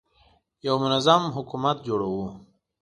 یو منظم حکومت جوړوو.